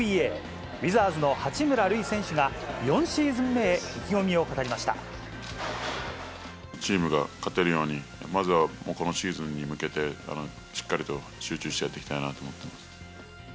ウィザーズの八村塁選手が、４シーズン目へ意気込みを語りまチームが勝てるように、まずは今シーズンに向けて、しっかりと集中してやっていきたいなと思ってます。